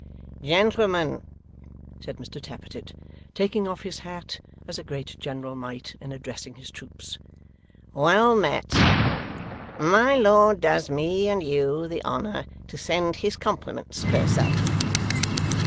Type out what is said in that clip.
'Gentlemen!' said Mr Tappertit, taking off his hat as a great general might in addressing his troops. 'Well met. My lord does me and you the honour to send his compliments per self.